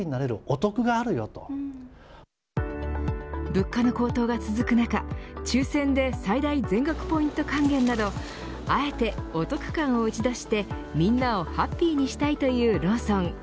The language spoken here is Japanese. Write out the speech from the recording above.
物価の高騰が続く中抽選で最大全額ポイント還元などあえてお得感を打ち出してみんなをハッピーにしたいというローソン。